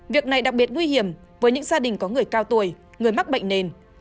việc này đặc biệt nguy hiểm với những gia đình có người cao tuổi người mắc bệnh nền